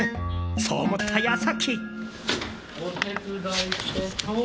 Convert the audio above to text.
そう思った矢先。